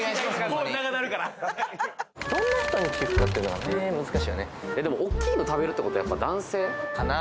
どんな人に聞くかっていうのはね難しいよねでもおっきいの食べるってことはやっぱ男性？かな？